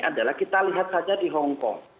adalah kita lihat saja di hongkong